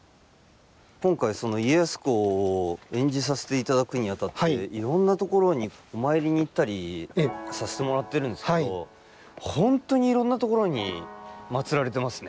今回その家康公を演じさせていただくにあたっていろんなところにお参りに行ったりさせてもらってるんですけど本当にいろんな所にまつられてますね。